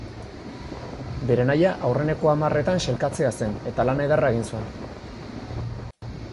Bere nahia aurreneko hamarretan sailkatzea zen eta lan ederra egin zuen.